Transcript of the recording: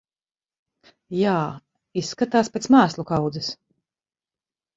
Jā, izskatās pēc mēslu kaudzes.